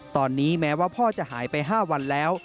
ตอนนี้แม้ว่าพ่อจะหายไป๕วันแล้ว